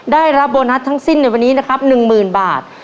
ได้รับโบนัสทั้งสิ้นในวันนี้นะครับ๑๐๐๐บาท